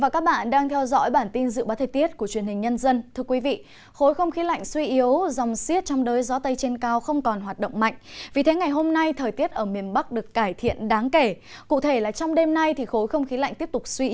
các bạn hãy đăng ký kênh để ủng hộ kênh của chúng mình nhé